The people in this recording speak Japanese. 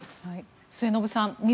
末延さん